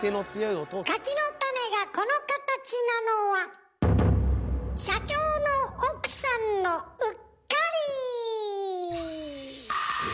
柿の種がこの形なのは社長の奥さんのうっかり！